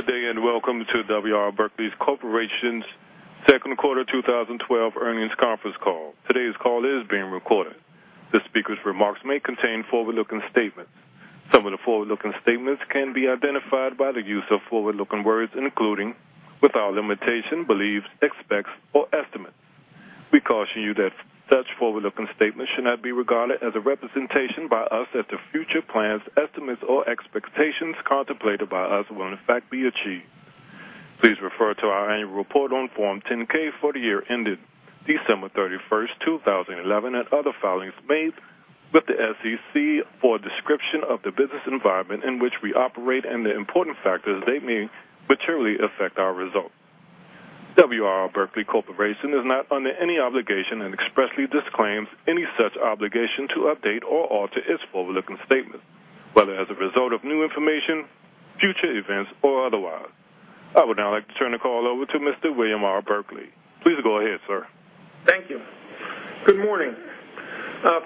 Good day. Welcome to W. R. Berkley Corporation's second quarter 2012 earnings conference call. Today's call is being recorded. The speaker's remarks may contain forward-looking statements. Some of the forward-looking statements can be identified by the use of forward-looking words, including, without limitation, believes, expects, or estimates. We caution you that such forward-looking statements should not be regarded as a representation by us that the future plans, estimates, or expectations contemplated by us will in fact be achieved. Please refer to our annual report on Form 10-K for the year ended December 31st, 2011, and other filings made with the SEC for a description of the business environment in which we operate and the important factors that may materially affect our results. W. R. Berkley Corporation is not under any obligation and expressly disclaims any such obligation to update or alter its forward-looking statements, whether as a result of new information, future events, or otherwise. I would now like to turn the call over to Mr. William R. Berkley. Please go ahead, sir. Thank you. Good morning.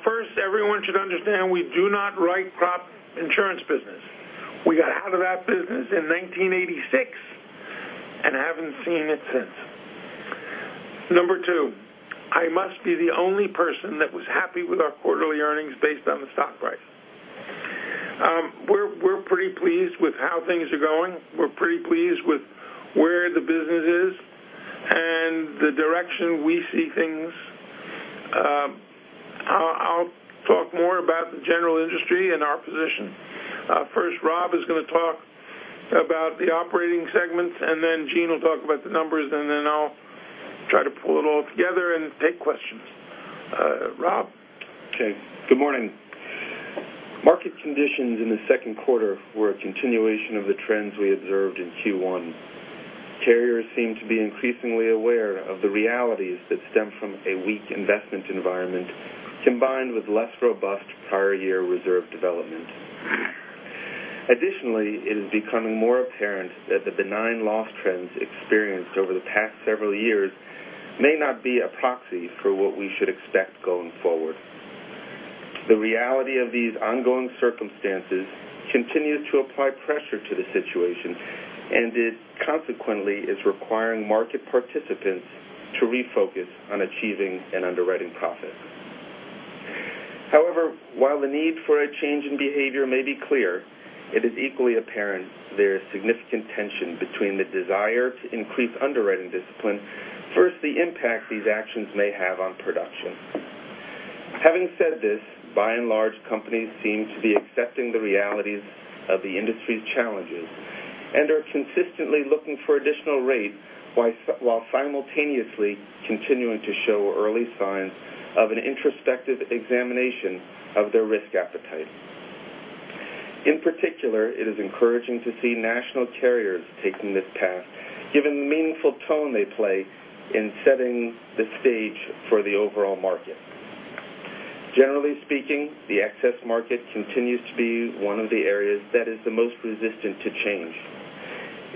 First, everyone should understand we do not write crop insurance business. We got out of that business in 1986 and haven't seen it since. Number 2, I must be the only person that was happy with our quarterly earnings based on the stock price. We're pretty pleased with how things are going. We're pretty pleased with where the business is and the direction we see things. I'll talk more about the general industry and our position. First, Rob is going to talk about the operating segments. Then Gene will talk about the numbers. Then I'll try to pull it all together and take questions. Rob? Okay. Good morning. Market conditions in the second quarter were a continuation of the trends we observed in Q1. Carriers seem to be increasingly aware of the realities that stem from a weak investment environment, combined with less robust prior year reserve development. Additionally, it is becoming more apparent that the benign loss trends experienced over the past several years may not be a proxy for what we should expect going forward. The reality of these ongoing circumstances continues to apply pressure to the situation. It consequently is requiring market participants to refocus on achieving an underwriting profit. However, while the need for a change in behavior may be clear, it is equally apparent there is significant tension between the desire to increase underwriting discipline versus the impact these actions may have on production. Having said this, by and large, companies seem to be accepting the realities of the industry's challenges and are consistently looking for additional rate while simultaneously continuing to show early signs of an introspective examination of their risk appetite. In particular, it is encouraging to see national carriers taking this path, given the meaningful tone they play in setting the stage for the overall market. Generally speaking, the excess market continues to be one of the areas that is the most resistant to change.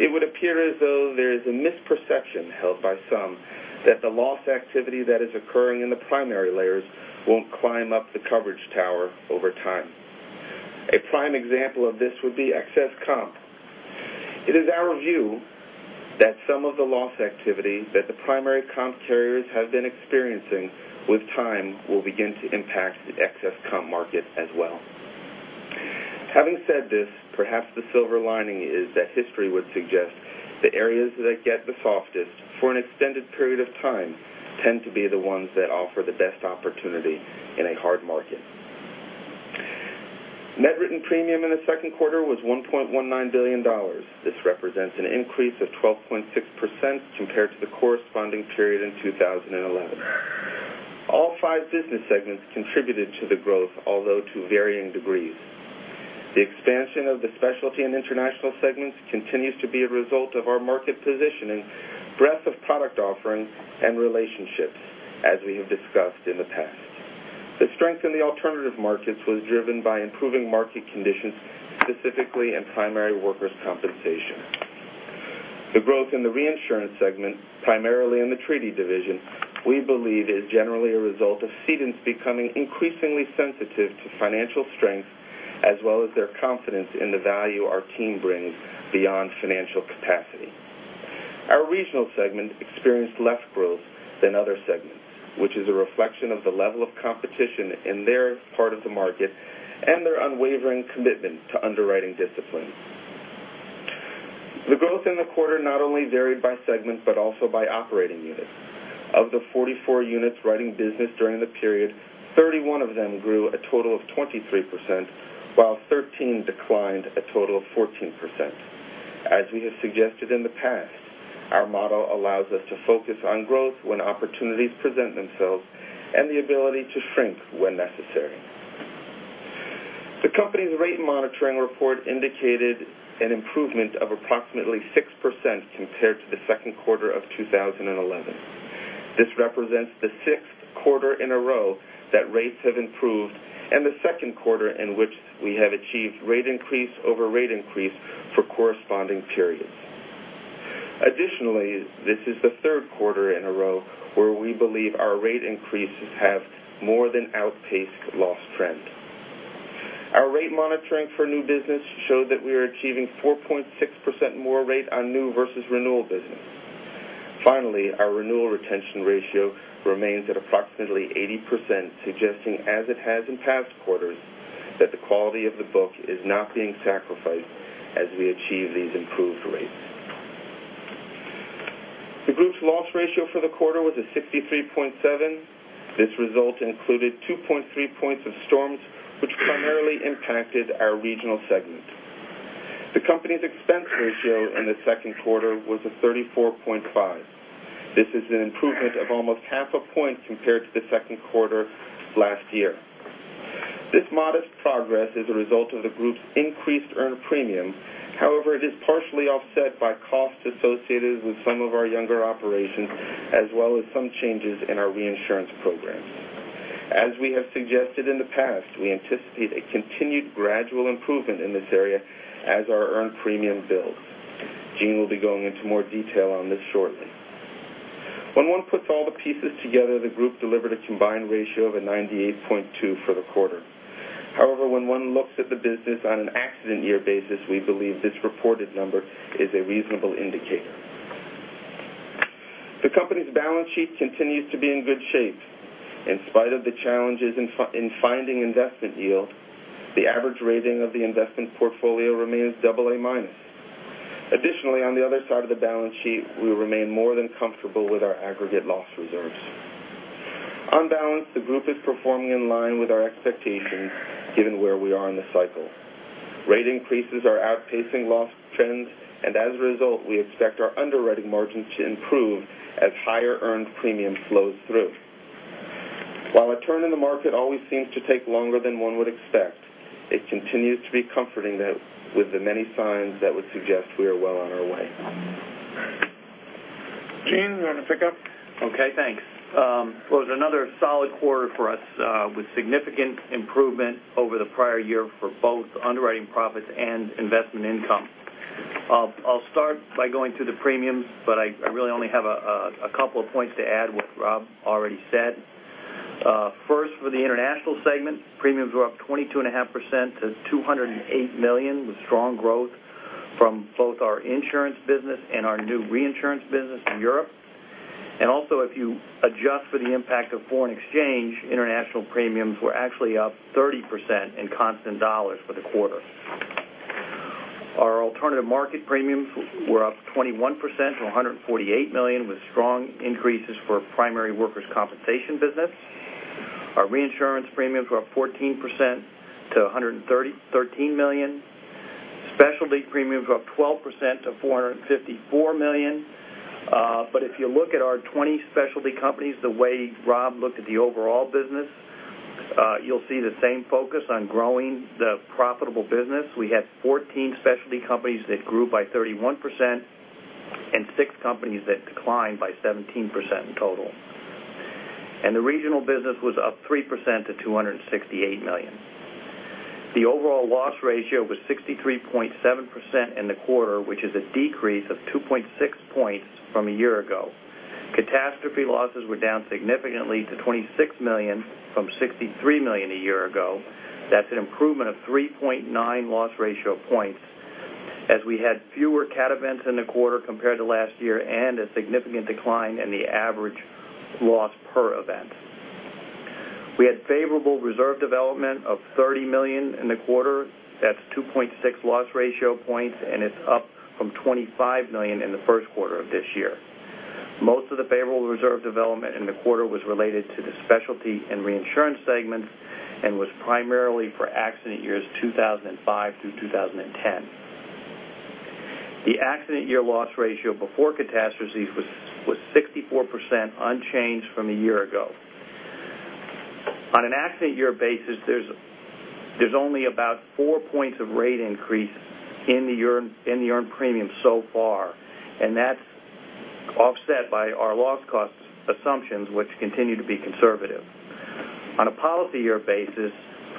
It would appear as though there is a misperception held by some that the loss activity that is occurring in the primary layers won't climb up the coverage tower over time. A prime example of this would be excess comp. It is our view that some of the loss activity that the primary comp carriers have been experiencing with time will begin to impact the excess comp market as well. Having said this, perhaps the silver lining is that history would suggest the areas that get the softest for an extended period of time tend to be the ones that offer the best opportunity in a hard market. Net written premium in the second quarter was $1.19 billion. This represents an increase of 12.6% compared to the corresponding period in 2011. All five business segments contributed to the growth, although to varying degrees. The expansion of the specialty and international segments continues to be a result of our market position and breadth of product offerings and relationships, as we have discussed in the past. The strength in the alternative markets was driven by improving market conditions, specifically in primary workers' compensation. The growth in the reinsurance segment, primarily in the treaty division, we believe is generally a result of cedents becoming increasingly sensitive to financial strength as well as their confidence in the value our team brings beyond financial capacity. Our regional segment experienced less growth than other segments, which is a reflection of the level of competition in their part of the market and their unwavering commitment to underwriting discipline. The growth in the quarter not only varied by segment, but also by operating units. Of the 44 units writing business during the period, 31 of them grew a total of 23%, while 13 declined a total of 14%. As we have suggested in the past, our model allows us to focus on growth when opportunities present themselves and the ability to shrink when necessary. The company's rate monitoring report indicated an improvement of approximately 6% compared to the second quarter of 2011. This represents the sixth quarter in a row that rates have improved and the second quarter in which we have achieved rate increase over rate increase for corresponding periods. Additionally, this is the third quarter in a row where we believe our rate increases have more than outpaced loss trend. Our rate monitoring for new business showed that we are achieving 4.6% more rate on new versus renewal business. Finally, our renewal retention ratio remains at approximately 80%, suggesting as it has in past quarters, that the quality of the book is not being sacrificed as we achieve these improved rates. The group's loss ratio for the quarter was 63.7. This result included 2.3 points of storms, which primarily impacted our regional segment. The company's expense ratio in the second quarter was 34.5. This is an improvement of almost half a point compared to the second quarter last year. This modest progress is a result of the group's increased earned premium. It is partially offset by costs associated with some of our younger operations, as well as some changes in our reinsurance program. As we have suggested in the past, we anticipate a continued gradual improvement in this area as our earned premium builds. Gene will be going into more detail on this shortly. When one puts all the pieces together, the group delivered a combined ratio of 98.2 for the quarter. When one looks at the business on an accident year basis, we believe this reported number is a reasonable indicator. The company's balance sheet continues to be in good shape. In spite of the challenges in finding investment yield, the average rating of the investment portfolio remains AA-. On the other side of the balance sheet, we remain more than comfortable with our aggregate loss reserves. On balance, the group is performing in line with our expectations given where we are in the cycle. Rate increases are outpacing loss trends, and as a result, we expect our underwriting margins to improve as higher earned premium flows through. While a turn in the market always seems to take longer than one would expect, it continues to be comforting that with the many signs that would suggest we are well on our way. Gene, you want to pick up? Okay, thanks. Well, it was another solid quarter for us, with significant improvement over the prior year for both underwriting profits and investment income. I will start by going through the premiums, but I really only have a couple of points to add what Rob already said. First, for the international segment, premiums were up 22.5% to $208 million, with strong growth from both our insurance business and our new reinsurance business in Europe. Also, if you adjust for the impact of foreign exchange, international premiums were actually up 30% in constant dollars for the quarter. Our alternative market premiums were up 21% to $148 million, with strong increases for primary workers' compensation business. Our reinsurance premiums were up 14% to $113 million. Specialty premiums were up 12% to $454 million. If you look at our 20 specialty companies the way Rob looked at the overall business, you'll see the same focus on growing the profitable business. We had 14 specialty companies that grew by 31% and six companies that declined by 17% in total. The regional business was up 3% to $268 million. The overall loss ratio was 63.7% in the quarter, which is a decrease of 2.6 points from a year ago. Catastrophe losses were down significantly to $26 million from $63 million a year ago. That's an improvement of 3.9 loss ratio points, as we had fewer cat events in the quarter compared to last year and a significant decline in the average loss per event. We had favorable reserve development of $30 million in the quarter. That's 2.6 loss ratio points, and it's up from $25 million in the first quarter of this year. Most of the favorable reserve development in the quarter was related to the Specialty and Reinsurance segments and was primarily for accident years 2005 through 2010. The accident year loss ratio before catastrophes was 64%, unchanged from a year ago. On an accident year basis, there's only about four points of rate increase in the earned premium so far, and that's offset by our loss cost assumptions, which continue to be conservative. On a policy year basis,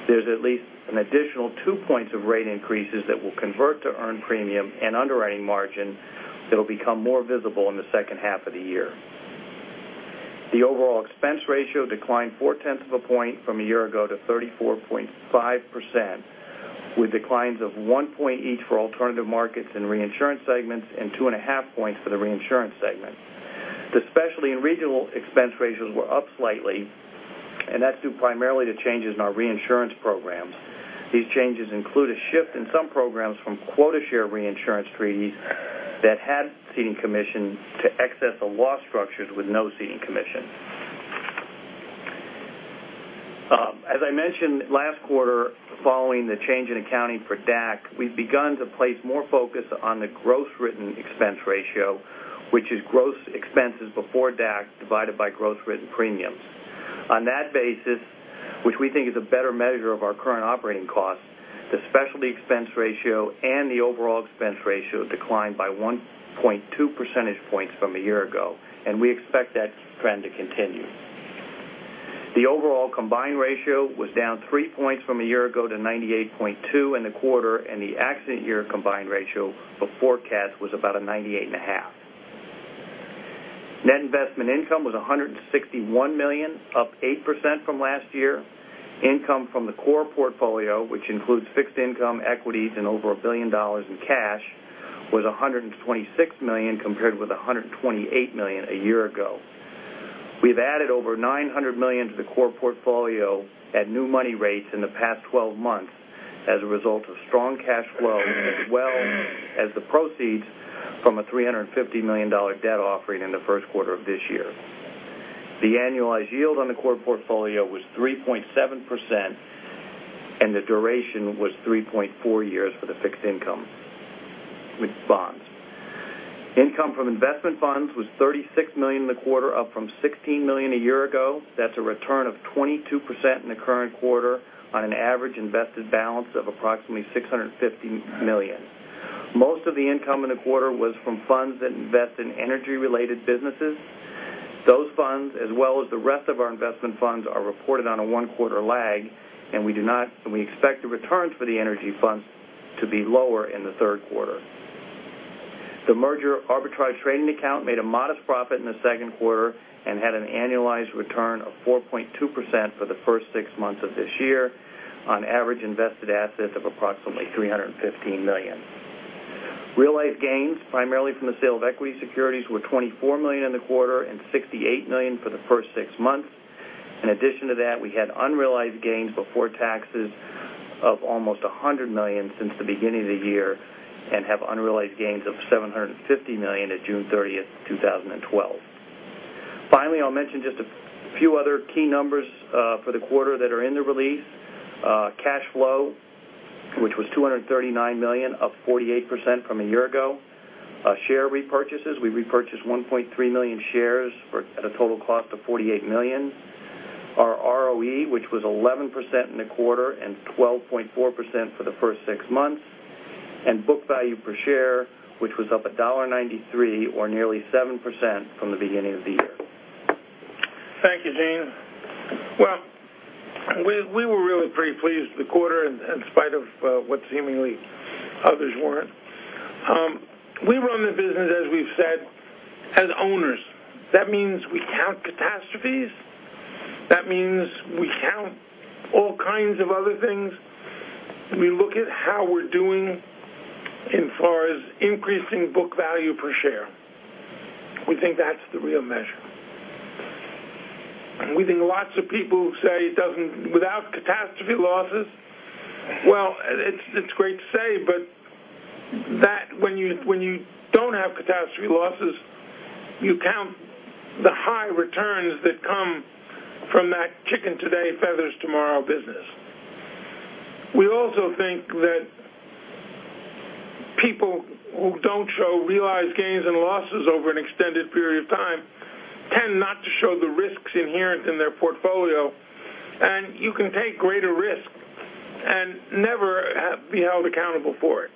there's at least an additional two points of rate increases that will convert to earned premium and underwriting margin that'll become more visible in the second half of the year. The overall expense ratio declined four tenths of a point from a year ago to 34.5%, with declines of one point each for alternative markets and Reinsurance segments and two and a half points for the reinsurance segment. The specialty and regional expense ratios were up slightly, that's due primarily to changes in our reinsurance programs. These changes include a shift in some programs from quota share reinsurance treaties that had ceding commission to excess of loss structures with no ceding commission. As I mentioned last quarter, following the change in accounting for DAC, we've begun to place more focus on the gross written expense ratio, which is gross expenses before DAC divided by gross written premiums. On that basis, which we think is a better measure of our current operating costs, the specialty expense ratio and the overall expense ratio declined by 1.2 percentage points from a year ago. We expect that trend to continue. The overall combined ratio was down three points from a year ago to 98.2 in the quarter, and the accident year combined ratio for forecast was about a 98.5. Net investment income was $161 million, up 8% from last year. Income from the core portfolio, which includes fixed income equities and over $1 billion in cash, was $126 million, compared with $128 million a year ago. We've added over $900 million to the core portfolio at new money rates in the past 12 months as a result of strong cash flow, as well as the proceeds from a $350 million debt offering in the first quarter of this year. The annualized yield on the core portfolio was 3.7%, and the duration was 3.4 years for the fixed income with bonds. Income from investment funds was $36 million in the quarter, up from $16 million a year ago. That's a return of 22% in the current quarter on an average invested balance of approximately $650 million. Most of the income in the quarter was from funds that invest in energy-related businesses. Those funds, as well as the rest of our investment funds, are reported on a one-quarter lag. We expect the returns for the energy funds to be lower in the third quarter. The merger arbitrage trading account made a modest profit in the second quarter and had an annualized return of 4.2% for the first six months of this year on average invested assets of approximately $315 million. Realized gains, primarily from the sale of equity securities, were $24 million in the quarter and $68 million for the first six months. In addition to that, we had unrealized gains before taxes of almost $100 million since the beginning of the year and have unrealized gains of $750 million at June 30th, 2012. Finally, I'll mention just a few other key numbers for the quarter that are in the release. Cash flow, which was $239 million, up 48% from a year ago. Share repurchases, we repurchased 1.3 million shares at a total cost of $48 million. Our ROE, which was 11% in the quarter and 12.4% for the first six months. Book value per share, which was up $1.93 or nearly 7% from the beginning of the year. Thank you, Gene. We were really pretty pleased with the quarter in spite of what seemingly others weren't. We run the business, as we've said, as owners. That means we count catastrophes. That means we count all kinds of other things. We look at how we're doing insofar as increasing book value per share. We think that's the real measure. We think lots of people say without catastrophe losses. When you don't have catastrophe losses, you count the high returns that come from that chicken today, feathers tomorrow business. We also think that people who don't show realized gains and losses over an extended period of time tend not to show the risks inherent in their portfolio. You can take greater risk and never be held accountable for it.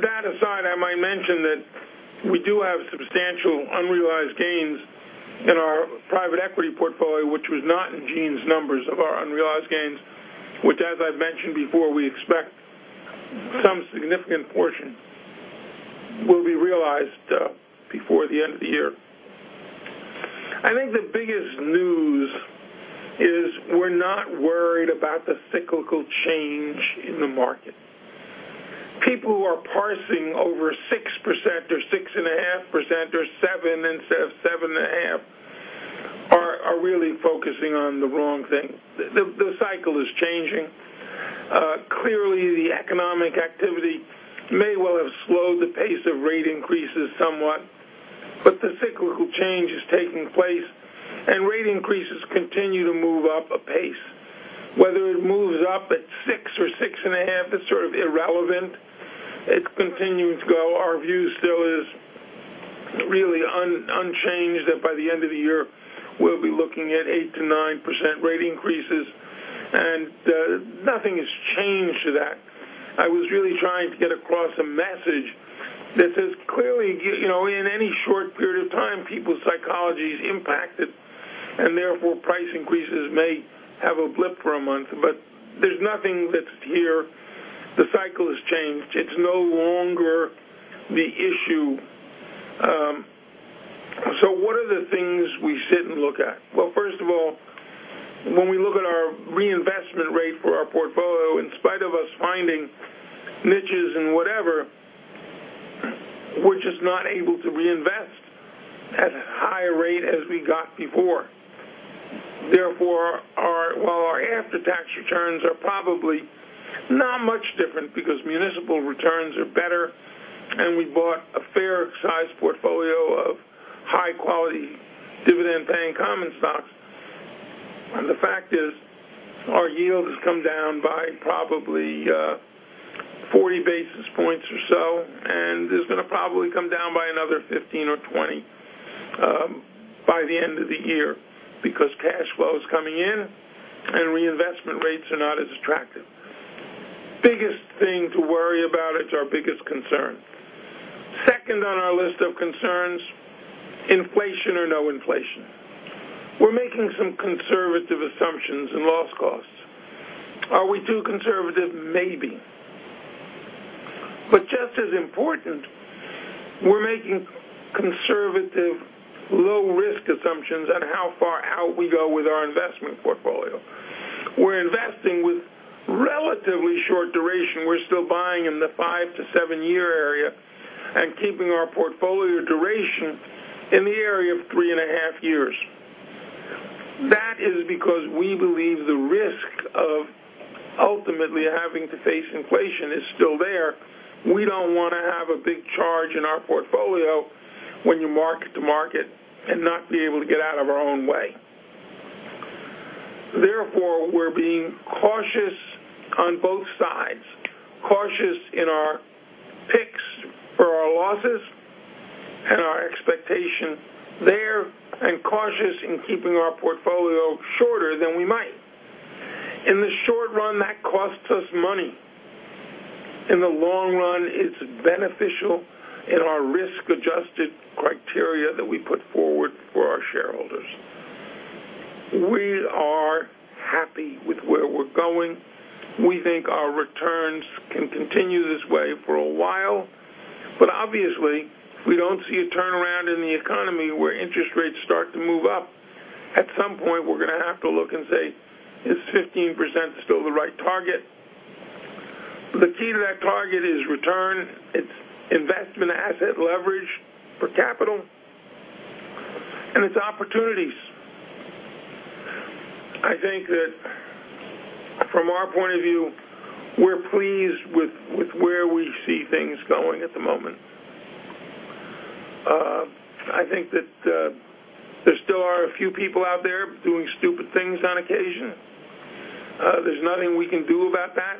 That aside, I might mention that we do have substantial unrealized gains in our private equity portfolio, which was not in Gene's numbers of our unrealized gains, which as I've mentioned before, we expect some significant portion will be realized before the end of the year. I think the biggest news is we're not worried about the cyclical change in the market. People who are parsing over 6% or 6.5% or 7% instead of 7.5% are really focusing on the wrong thing. The cycle is changing. Clearly, the economic activity may well have slowed the pace of rate increases somewhat. The cyclical change is taking place. Rate increases continue to move up a pace. Whether it moves up at 6% or 6.5% is sort of irrelevant. It's continuing to go. Our view still is really unchanged that by the end of the year, we'll be looking at 8%-9% rate increases. Nothing has changed to that. I was really trying to get across a message that says clearly, in any short period of time, people's psychology is impacted, and therefore, price increases may have a blip for a month. There's nothing that's here. The cycle has changed. It's no longer the issue. What are the things we sit and look at? Well, first of all, when we look at our reinvestment rate for our portfolio, in spite of us finding niches and whatever, we're just not able to reinvest at a high rate as we got before. While our after-tax returns are probably not much different because municipal returns are better and we bought a fair sized portfolio of high quality dividend paying common stocks, the fact is our yield has come down by probably 40 basis points or so, and is going to probably come down by another 15 or 20 by the end of the year because cash flow is coming in and reinvestment rates are not as attractive. Biggest thing to worry about, it's our biggest concern. Second on our list of concerns, inflation or no inflation. We're making some conservative assumptions in loss costs. Are we too conservative? Maybe. Just as important, we're making conservative low risk assumptions on how far out we go with our investment portfolio. We're investing with relatively short duration. We're still buying in the 5 to 7-year area and keeping our portfolio duration in the area of 3.5 years. That is because we believe the risk of ultimately having to face inflation is still there. We don't want to have a big charge in our portfolio when you market to market and not be able to get out of our own way. We're being cautious on both sides, cautious in our picks for our losses and our expectation there, and cautious in keeping our portfolio shorter than we might. In the short run, that costs us money. In the long run, it's beneficial in our risk-adjusted criteria that we put forward for our shareholders. We are happy with where we're going. We think our returns can continue this way for a while. Obviously, if we don't see a turnaround in the economy where interest rates start to move up, at some point, we're going to have to look and say, "Is 15% still the right target?" The key to that target is return, it's investment asset leverage for capital, and it's opportunities. I think that from our point of view, we're pleased with where we see things going at the moment. I think that there still are a few people out there doing stupid things on occasion. There's nothing we can do about that.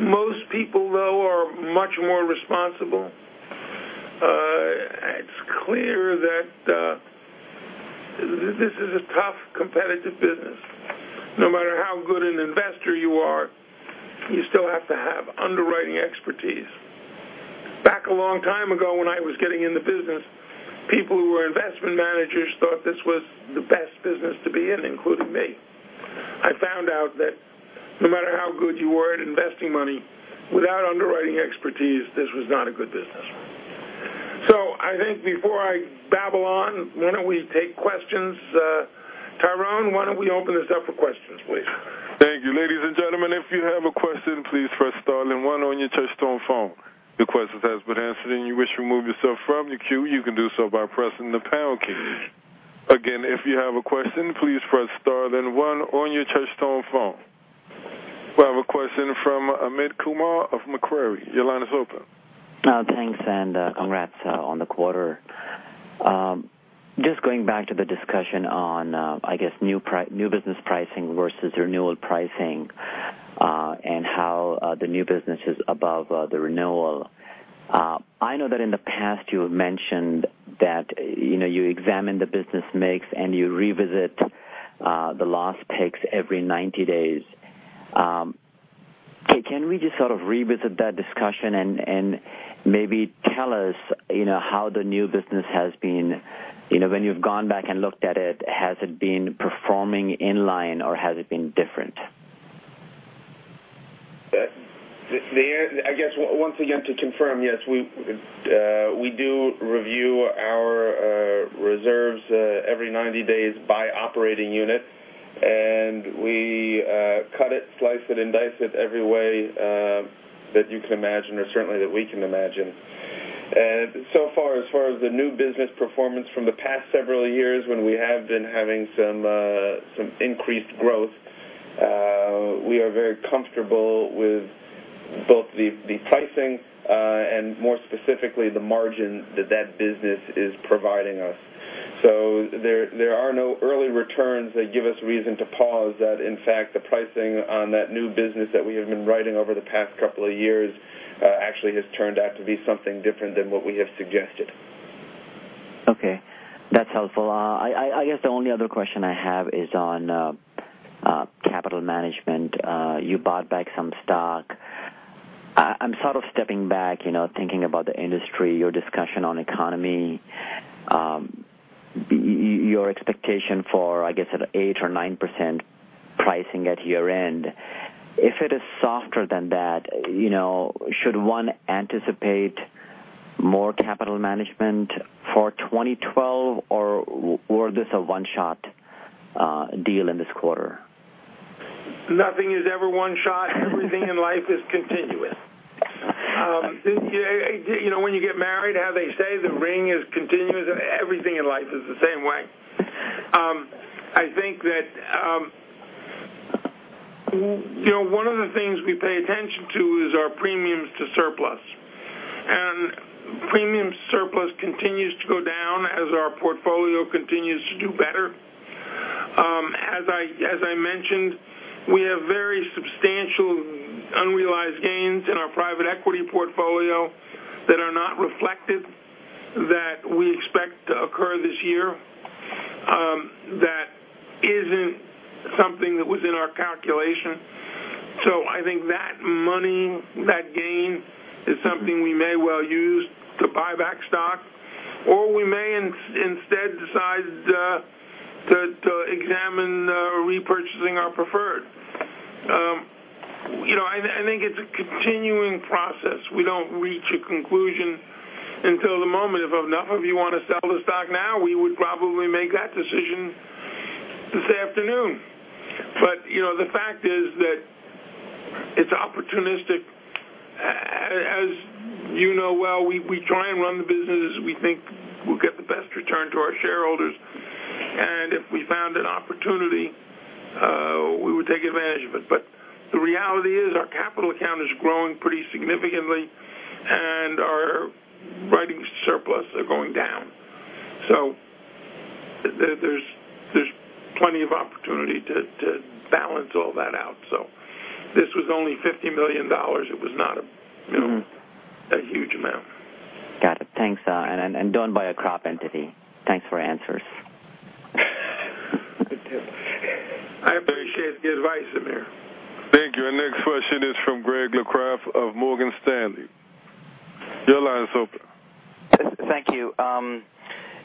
Most people, though, are much more responsible. It's clear that this is a tough, competitive business. No matter how good an investor you are, you still have to have underwriting expertise. Back a long time ago, when I was getting in the business, people who were investment managers thought this was the best business to be in, including me. I found out that no matter how good you were at investing money, without underwriting expertise, this was not a good business. I think before I babble on, why don't we take questions? Tyrone, why don't we open this up for questions, please? Thank you. Ladies and gentlemen, if you have a question, please press star then one on your touch tone phone. If your question has been answered and you wish to remove yourself from the queue, you can do so by pressing the pound key. Again, if you have a question, please press star then one on your touch tone phone. We have a question from Amit Kumar of Macquarie. Your line is open. Thanks, congrats on the quarter. Just going back to the discussion on, I guess, new business pricing versus renewal pricing, and how the new business is above the renewal. I know that in the past you have mentioned that you examine the business mix, and you revisit the loss picks every 90 days. Can we just sort of revisit that discussion and maybe tell us how the new business, when you've gone back and looked at it, has it been performing in line or has it been different? I guess, once again, to confirm, yes, we do review our reserves every 90 days by operating unit. We cut it, slice it, and dice it every way that you can imagine or certainly that we can imagine. So far, as far as the new business performance from the past several years when we have been having some increased growth, we are very comfortable with both the pricing, and more specifically, the margin that business is providing us. There are no early returns that give us reason to pause that in fact, the pricing on that new business that we have been writing over the past couple of years actually has turned out to be something different than what we have suggested. Okay, that's helpful. I guess the only other question I have is on capital management. You bought back some stock. I'm sort of stepping back, thinking about the industry, your discussion on economy, your expectation for, I guess, at 8% or 9% pricing at year-end. If it is softer than that, should one anticipate more capital management for 2012, or was this a one-shot deal in this quarter? Nothing is ever one-shot. Everything in life is continuous. When you get married, how they say the ring is continuous, everything in life is the same way. I think that one of the things we pay attention to is our premiums to surplus. Premium surplus continues to go down as our portfolio continues to do better. As I mentioned, we have very substantial unrealized gains in our private equity portfolio that are not reflected that we expect to occur this year. That isn't something that was in our calculation. I think that money, that gain is something we may well use to buy back stock, or we may instead decide to examine repurchasing our preferred. I think it's a continuing process. We don't reach a conclusion until the moment. If enough of you want to sell the stock now, we would probably make that decision this afternoon. The fact is that it's opportunistic. As you know well, we try and run the business as we think we'll get the best return to our shareholders. If we found an opportunity, we would take advantage of it. The reality is, our capital account is growing pretty significantly, and our writings surplus are going down. There's plenty of opportunity to balance all that out. This was only $50 million. It was not a huge amount. Got it. Thanks. Done by a crop entity. Thanks for answers. I appreciate the advice in there. Thank you. Our next question is from Greg Locraft of Morgan Stanley. Your line is open. Thank you.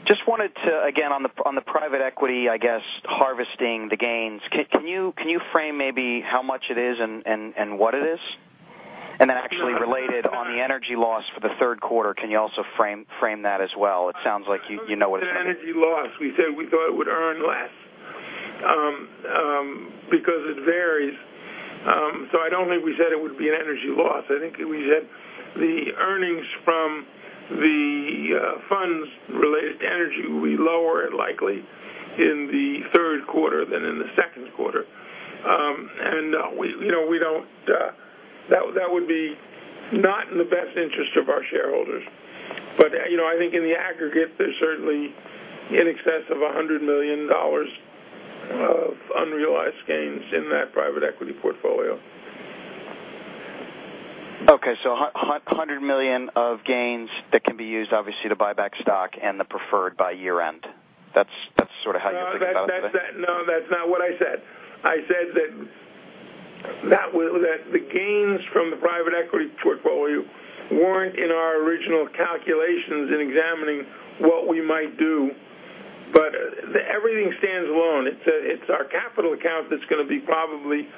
Just wanted to, again, on the private equity, I guess, harvesting the gains, can you frame maybe how much it is and what it is? Then actually related on the energy loss for the third quarter, can you also frame that as well? It sounds like you know what it is. The energy loss, we said we thought it would earn less because it varies. I don't think we said it would be an energy loss. I think we said the earnings from the funds related to energy will be lower likely in the third quarter than in the second quarter. That would be not in the best interest of our shareholders. I think in the aggregate, there's certainly in excess of $100 million of unrealized gains in that private equity portfolio. Okay. $100 million of gains that can be used, obviously, to buy back stock and the preferred by year-end. That's sort of how you're thinking about it? No, that's not what I said. I said that the gains from the private equity portfolio weren't in our original calculations in examining what we might do. Everything stands alone. It's our capital account that's going to be probably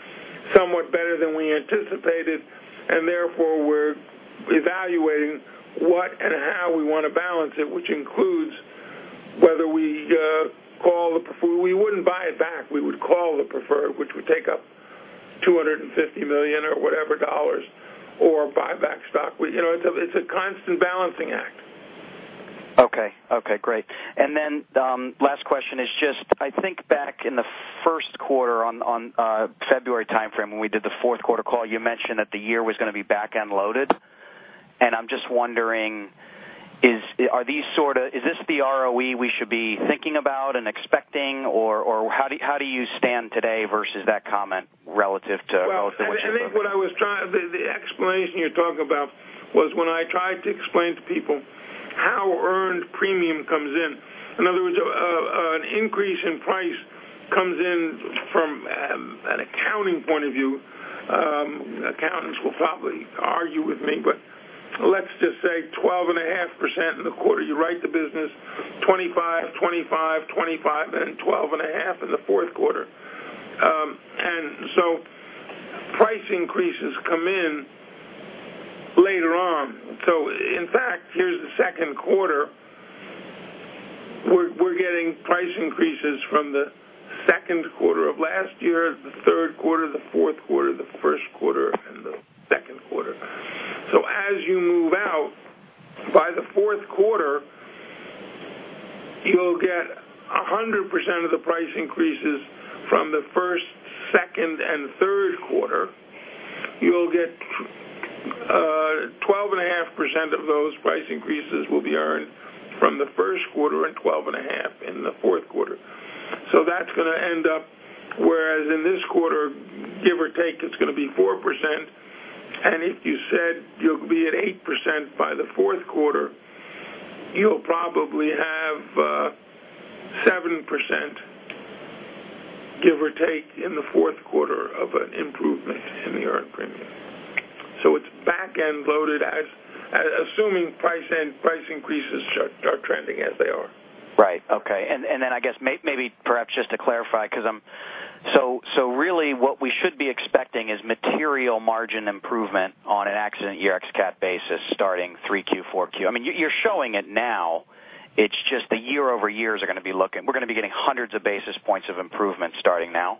somewhat better than we anticipated, and therefore, we're evaluating what and how we want to balance it, which includes whether we call the preferred. We wouldn't buy it back. We would call the preferred, which would take up $250 million or whatever dollars, or buy back stock. It's a constant balancing act. Okay. Great. Last question is just, I think back in the first quarter on February timeframe, when we did the fourth quarter call, you mentioned that the year was going to be back-end loaded. I'm just wondering, is this the ROE we should be thinking about and expecting, or how do you stand today versus that comment relative to- I think the explanation you're talking about was when I tried to explain to people how earned premium comes in. In other words, an increase in price comes in from an accounting point of view. Accountants will probably argue with me, but let's just say 12.5% in the quarter. You write the business 25%, 25%, 25%, and 12.5% in the fourth quarter. Price increases come in later on. In fact, here's the second quarter. We're getting price increases from the second quarter of last year, the third quarter, the fourth quarter, the first quarter, and the second quarter. As you move out, by the fourth quarter, you'll get 100% of the price increases from the first, second, and third quarter. You'll get 12.5% of those price increases will be earned from the first quarter and 12.5% in the fourth quarter. That's going to end up, whereas in this quarter, give or take, it's going to be 4%. If you said you'll be at 8% by the fourth quarter, you'll probably have 7%, give or take, in the fourth quarter of an improvement in the earned premium. It's back-end loaded, assuming price increases start trending as they are. Right. Okay. Then I guess maybe perhaps just to clarify. Really what we should be expecting is material margin improvement on an accident year ex-cat basis starting Q3, Q4. You're showing it now. It's just the year-over-year, we're going to be getting hundreds of basis points of improvement starting now?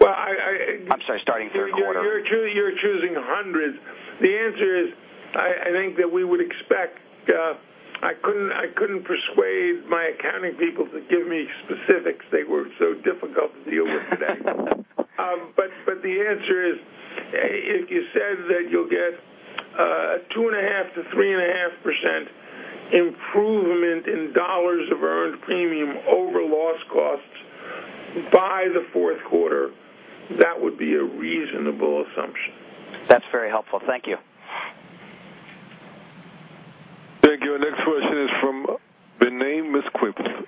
Well, I'm sorry, starting third quarter. You're choosing hundreds. The answer is, I think that we would expect, I couldn't persuade my accounting people to give me specifics. They were so difficult to deal with today. The answer is, if you said that you'll get 2.5%-3.5% improvement in dollars of earned premium over loss costs by the fourth quarter, that would be a reasonable assumption. That's very helpful. Thank you. Thank you. Our next question is from Vinay Misquith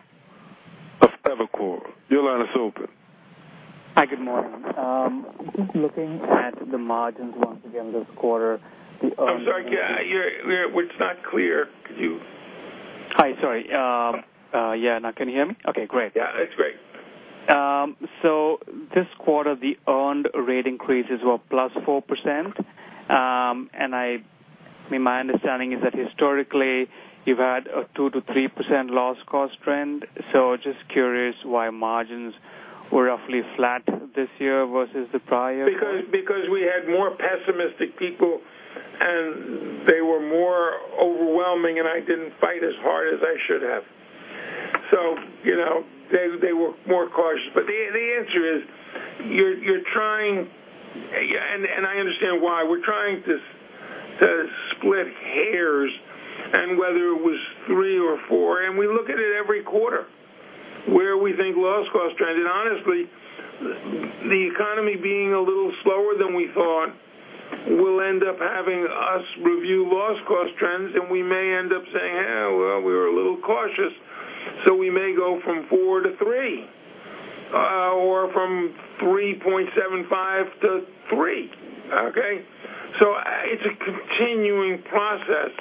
of Evercore. Your line is open. Hi, good morning. Just looking at the margins once again this quarter, I'm sorry, it's not clear. Could you? Hi, sorry. Yeah. Now can you hear me? Okay, great. Yeah, that's great. This quarter, the earned rate increases were +4%. My understanding is that historically you've had a 2%-3% loss cost trend. Just curious why margins were roughly flat this year versus the prior year. We had more pessimistic people. They were more overwhelming. I didn't fight as hard as I should have. They were more cautious. The answer is, you're trying, and I understand why, we're trying to split hairs and whether it was 3 or 4, and we look at it every quarter where we think loss cost trend, and honestly, the economy being a little slower than we thought, will end up having us review loss cost trends, and we may end up saying, "Well, we were a little cautious," so we may go from 4 to 3, or from 3.75 to 3. Okay? It's a continuing process.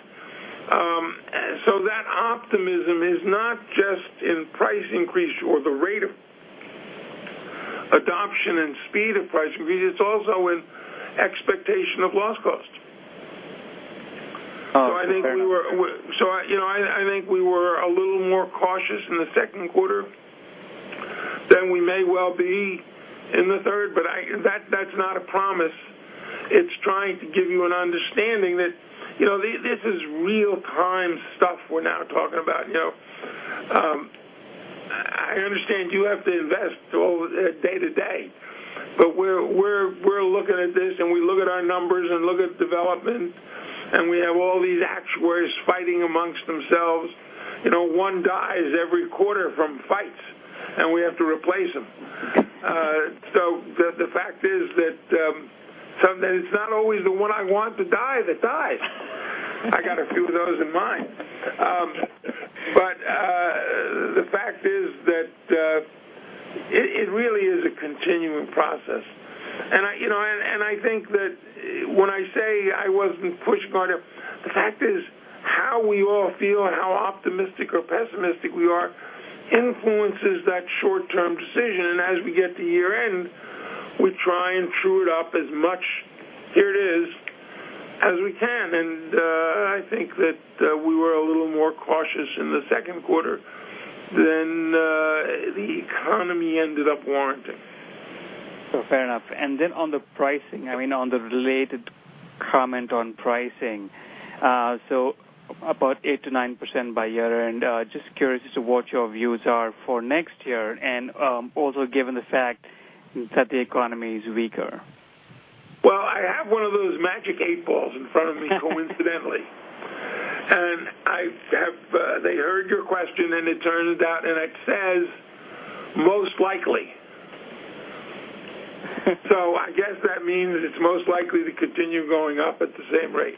That optimism is not just in price increase or the rate of adoption and speed of price increase, it's also in expectation of loss cost. Fair enough. I think we were a little more cautious in the second quarter than we may well be in the third, but that's not a promise. It's trying to give you an understanding that this is real-time stuff we're now talking about. I understand you have to invest day-to-day. We're looking at this, and we look at our numbers and look at development, and we have all these actuaries fighting amongst themselves. One dies every quarter from fights, and we have to replace him. The fact is that it's not always the one I want to die that dies. I got a few of those in mind. The fact is that it really is a continuing process. I think that when I say I wasn't pushed by them, the fact is how we all feel and how optimistic or pessimistic we are influences that short-term decision. As we get to year-end, we try and true it up as much, here it is, as we can. I think that we were a little more cautious in the second quarter than the economy ended up warranting. Fair enough. On the pricing, on the related comment on pricing. About 8% to 9% by year-end. Just curious as to what your views are for next year, and also given the fact that the economy is weaker. Well, I have one of those magic eight balls in front of me coincidentally. They heard your question, and it turns out, and it says, "Most likely." I guess that means that it's most likely to continue going up at the same rate.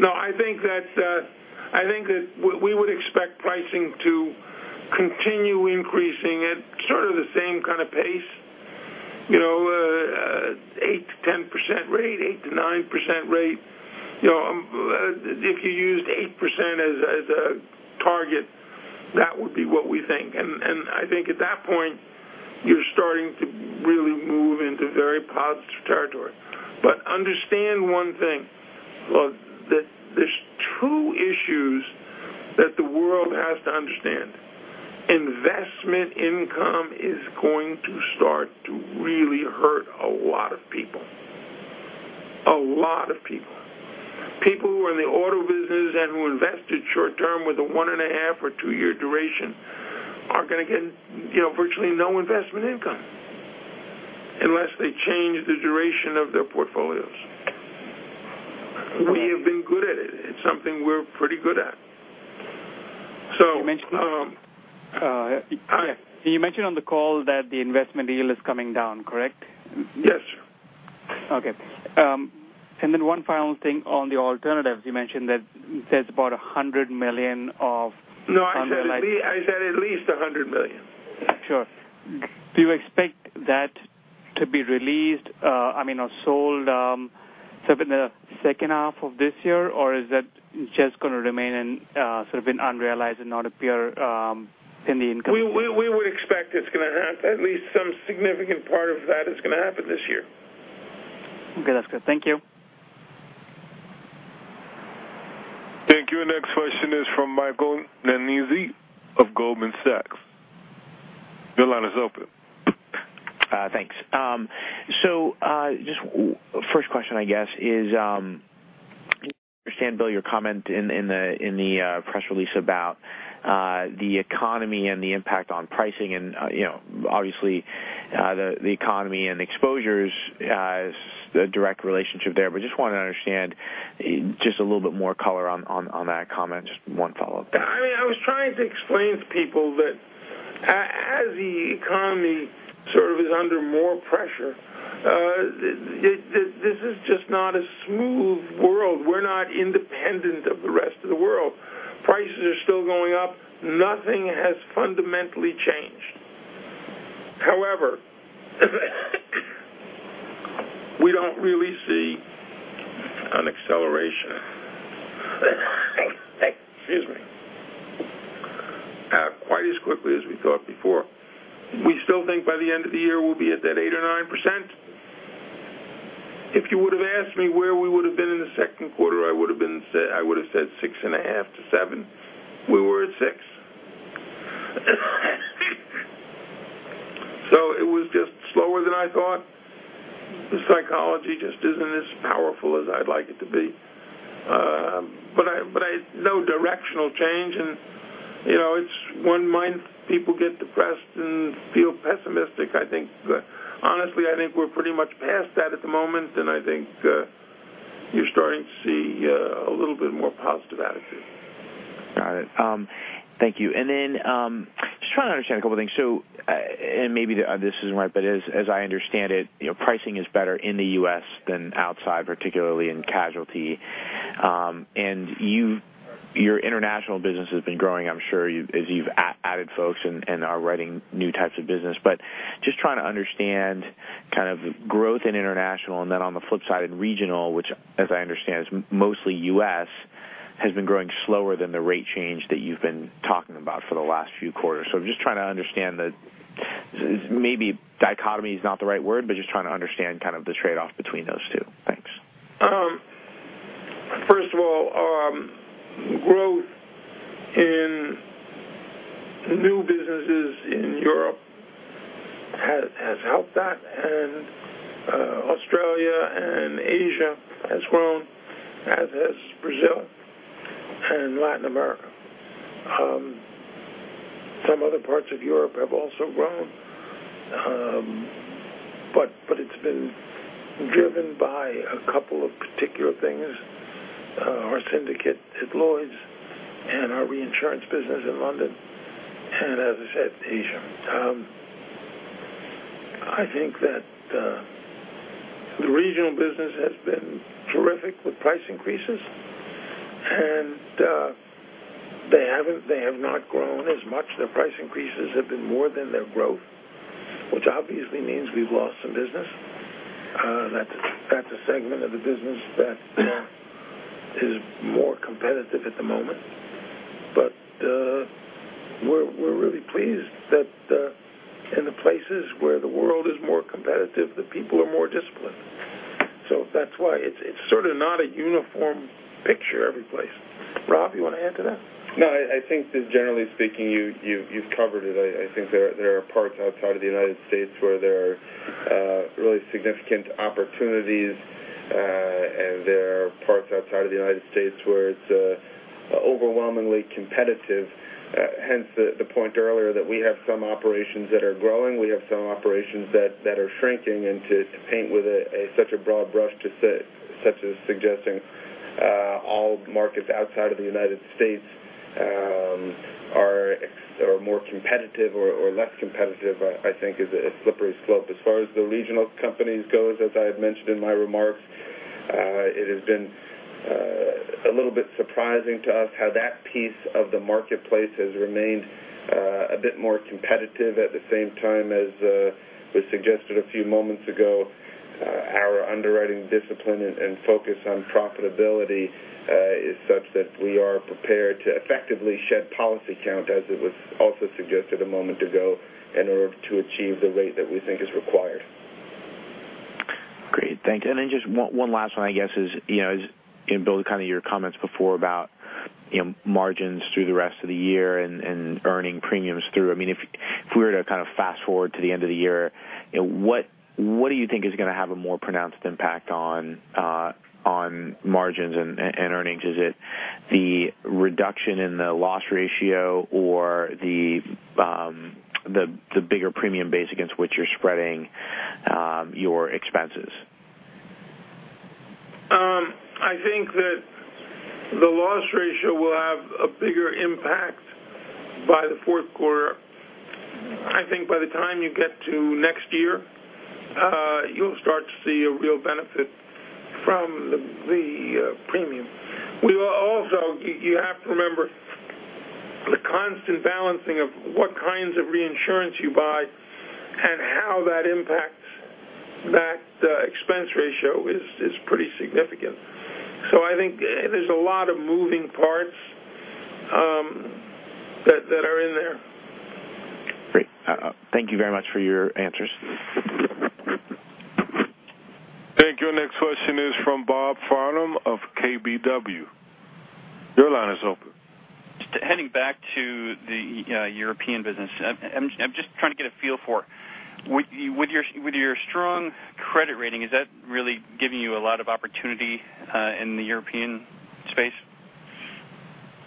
No, I think that we would expect pricing to continue increasing at sort of the same kind of pace, 8% to 10% rate, 8% to 9% rate. If you used 8% as a target, that would be what we think. I think at that point, you're starting to really move into very positive territory. Understand one thing. Look, there's two issues that the world has to understand. Investment income is going to start to really hurt a lot of people. A lot of people. People who are in the auto business and who invested short-term with a one and a half or two-year duration are going to get virtually no investment income unless they change the duration of their portfolios. We have been good at it. It's something we're pretty good at. You mentioned on the call that the investment yield is coming down, correct? Yes. Okay. One final thing on the alternatives. You mentioned that there's about $100 million of unrealized. No, I said at least $100 million. Sure. Do you expect that to be released or sold in the second half of this year, or is that just going to remain in unrealized and not appear in the income? We would expect it's going to happen, at least some significant part of that is going to happen this year. Okay. That's good. Thank you. Thank you. Next question is from Michael Nannizzi of Goldman Sachs. Your line is open. Thanks. First question, I guess, is understand, Bill, your comment in the press release about the economy and the impact on pricing and obviously, the economy and exposures has a direct relationship there, but just wanted to understand just a little bit more color on that comment. Just one follow-up. I was trying to explain to people that As the economy sort of is under more pressure, this is just not a smooth world. We're not independent of the rest of the world. Prices are still going up. Nothing has fundamentally changed. However, we don't really see an acceleration, excuse me, quite as quickly as we thought before. We still think by the end of the year, we'll be at that eight or 9%. If you would've asked me where we would've been in the second quarter, I would've said six and a half to seven. We were at six. It was just slower than I thought. The psychology just isn't as powerful as I'd like it to be. No directional change, and it's one month, people get depressed and feel pessimistic. Honestly, I think we're pretty much past that at the moment. I think you're starting to see a little bit more positive attitude. Got it. Thank you. Just trying to understand a couple things. Maybe this isn't right, but as I understand it, pricing is better in the U.S. than outside, particularly in casualty. Your international business has been growing, I'm sure, as you've added folks and are writing new types of business. Just trying to understand kind of growth in international, and then on the flip side, in regional, which as I understand is mostly U.S., has been growing slower than the rate change that you've been talking about for the last few quarters. I'm just trying to understand the, maybe dichotomy is not the right word, but just trying to understand kind of the trade-off between those two. Thanks. First of all, growth in new businesses in Europe has helped that. Australia and Asia has grown, as has Brazil and Latin America. Some other parts of Europe have also grown. It's been driven by a couple of particular things. Our syndicate at Lloyd's and our reinsurance business in London, and as I said, Asia. I think that the regional business has been terrific with price increases. They have not grown as much. Their price increases have been more than their growth, which obviously means we've lost some business. That's a segment of the business that is more competitive at the moment. We're really pleased that in the places where the world is more competitive, the people are more disciplined. That's why it's sort of not a uniform picture every place. Rob, you want to add to that? No, I think that generally speaking, you've covered it. I think there are parts outside of the United States where there are really significant opportunities, and there are parts outside of the United States where it's overwhelmingly competitive. Hence, the point earlier that we have some operations that are growing, we have some operations that are shrinking. To paint with such a broad brush, such as suggesting all markets outside of the United States are more competitive or less competitive, I think is a slippery slope. As far as the regional companies go, as I had mentioned in my remarks, it has been a little bit surprising to us how that piece of the marketplace has remained a bit more competitive at the same time as was suggested a few moments ago. Our underwriting discipline and focus on profitability is such that we are prepared to effectively shed policy count, as it was also suggested a moment ago, in order to achieve the rate that we think is required. Great, thanks. Then just one last one, I guess is, Bill, kind of your comments before about margins through the rest of the year and earning premiums through. If we were to kind of fast-forward to the end of the year, what do you think is going to have a more pronounced impact on margins and earnings? Is it the reduction in the loss ratio or the bigger premium base against which you're spreading your expenses? I think that the loss ratio will have a bigger impact by the fourth quarter. I think by the time you get to next year, you'll start to see a real benefit from the premium. You have to remember the constant balancing of what kinds of reinsurance you buy and how that impacts that expense ratio is pretty significant. I think there's a lot of moving parts that are in there. Great. Thank you very much for your answers. Thank you. Next question is from Bob Farnham of KBW. Your line is open. Just heading back to the European business. I'm just trying to get a feel for, with your strong credit rating, is that really giving you a lot of opportunity in the European space?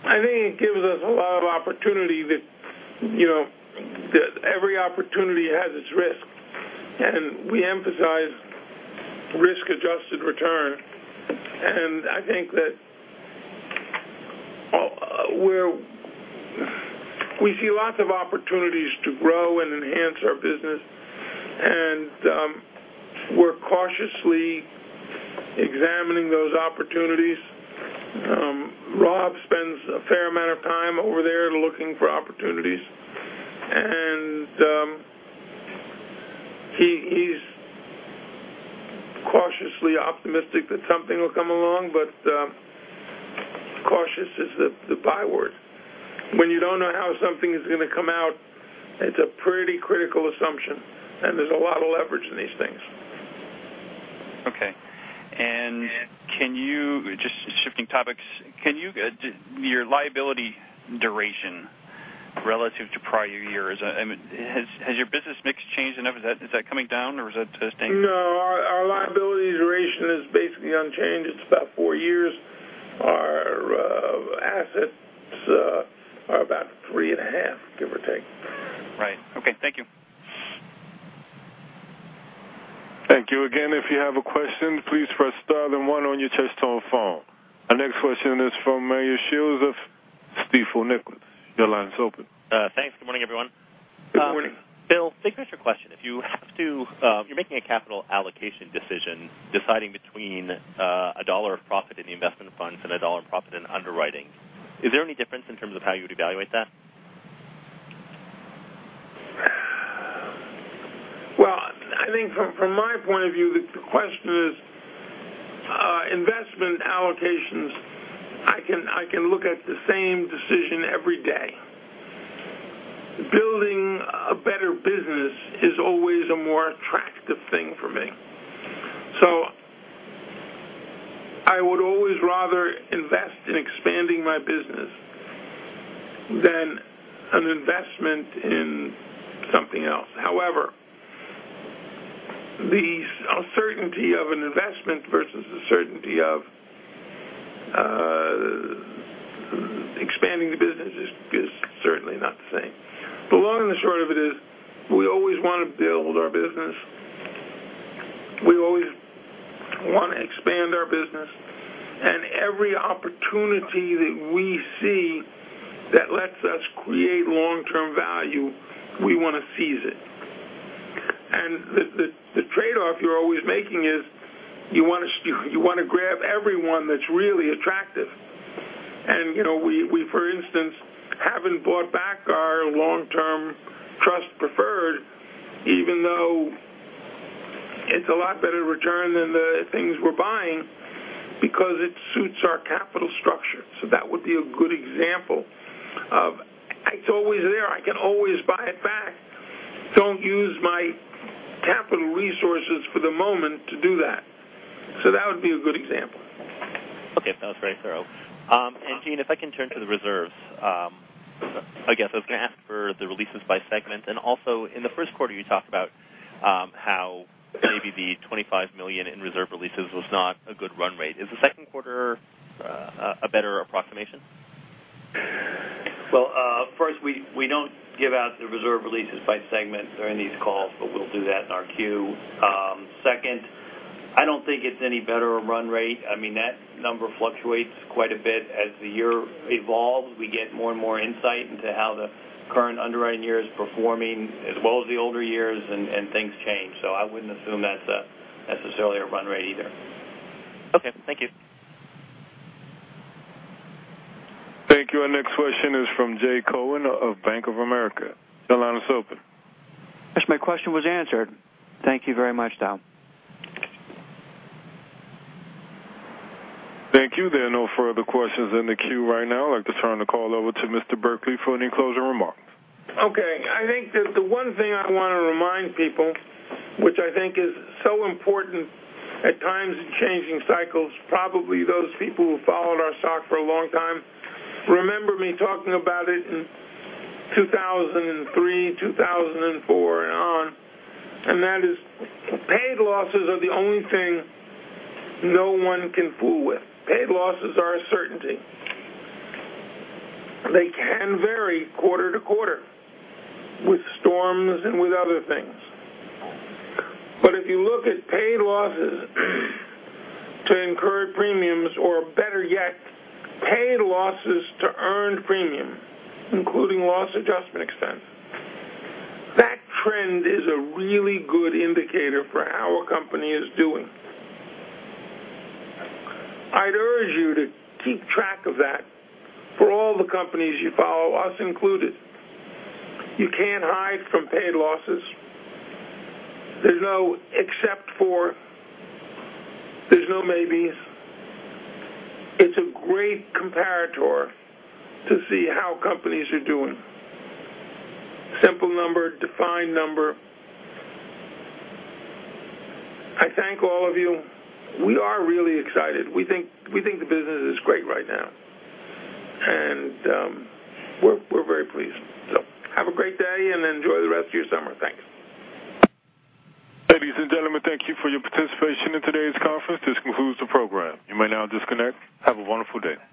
I think it gives us a lot of opportunity that every opportunity has its risk. We emphasize risk-adjusted return. We see lots of opportunities to grow and enhance our business, and we're cautiously examining those opportunities. Rob spends a fair amount of time over there looking for opportunities, and he's cautiously optimistic that something will come along, but cautious is the byword. When you don't know how something is going to come out, it's a pretty critical assumption, and there's a lot of leverage in these things. Okay. Just shifting topics, your liability duration relative to prior years, has your business mix changed enough? Is that coming down, or is that staying? No, our liability duration is basically unchanged. It's about four years. Our assets are about three and a half, give or take. Right. Okay. Thank you. Thank you. Again, if you have a question, please press star then one on your touch-tone phone. Our next question is from Meyer Shields of Stifel Nicolaus. Your line's open. Thanks. Good morning, everyone. Good morning. Bill, big picture question. If you're making a capital allocation decision, deciding between a dollar of profit in the investment funds and a dollar of profit in underwriting, is there any difference in terms of how you would evaluate that? Well, I think from my point of view, the question is investment allocations. I can look at the same decision every day. Building a better business is always a more attractive thing for me. I would always rather invest in expanding my business than an investment in something else. The uncertainty of an investment versus the certainty of expanding the business is certainly not the same. The long and short of it is we always want to build our business. We always want to expand our business, every opportunity that we see that lets us create long-term value, we want to seize it. The trade-off you're always making is you want to grab every one that's really attractive. We, for instance, haven't bought back our long-term trust preferred, even though it's a lot better return than the things we're buying, because it suits our capital structure. That would be a good example of it's always there. I can always buy it back. Don't use my capital resources for the moment to do that. That would be a good example. Okay. That was very thorough. Gene, if I can turn to the reserves. I guess I was going to ask for the releases by segment. Also, in the first quarter, you talked about how maybe the $25 million in reserve releases was not a good run rate. Is the second quarter a better approximation? Well, first, we don't give out the reserve releases by segment during these calls, but we'll do that in our Q. Second, I don't think it's any better a run rate. That number fluctuates quite a bit. As the year evolves, we get more and more insight into how the current underwriting year is performing, as well as the older years, and things change. I wouldn't assume that's necessarily a run rate either. Okay. Thank you. Thank you. Our next question is from Jay Cohen of Bank of America. Your line is open. Yes, my question was answered. Thank you very much, though. Thank you. There are no further questions in the queue right now. I'd like to turn the call over to Mr. Berkley for any closing remarks. Okay. I think that the one thing I want to remind people, which I think is so important at times in changing cycles, probably those people who followed our stock for a long time remember me talking about it in 2003, 2004, and on, and that is paid losses are the only thing no one can fool with. Paid losses are a certainty. They can vary quarter-to-quarter with storms and with other things. If you look at paid losses to incurred premiums or, better yet, paid losses to earned premium, including loss adjustment expense, that trend is a really good indicator for how a company is doing. I'd urge you to keep track of that for all the companies you follow, us included. You can't hide from paid losses. There's no except for, there's no maybes. It's a great comparator to see how companies are doing. Simple number, defined number. I thank all of you. We are really excited. We think the business is great right now, and we're very pleased. Have a great day, and enjoy the rest of your summer. Thanks. Ladies and gentlemen, thank you for your participation in today's conference. This concludes the program. You may now disconnect. Have a wonderful day.